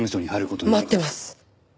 待ってます！